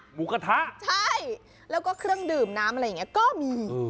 หมูกระทะใช่แล้วก็เครื่องดื่มน้ำอะไรอย่างนี้ก็มี